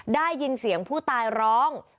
ได้ยินเสียงผู้ตายร้อง